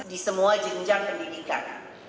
di semua jenjang pendidikan